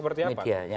narasi seperti apa